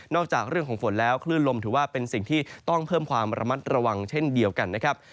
จากเรื่องของฝนแล้วคลื่นลมถือว่าเป็นสิ่งที่ต้องเพิ่มความระมัดระวังเช่นเดียวกันนะครับ